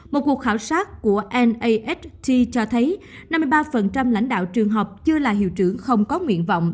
một cuộc khảo sát của nat cho thấy năm mươi ba lãnh đạo trường học chưa là hiệu trưởng không có nguyện vọng